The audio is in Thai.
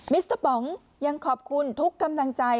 มิสเตอร์ปองยังขอบคุณทุกข์กำลังใจ